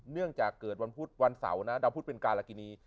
เนื่องจากเกิดวันพุธวันเสาร์นะดาวพุทธเป็นการละกินี